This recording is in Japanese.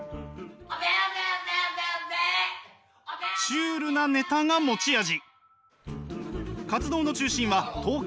シュールなネタが持ち味。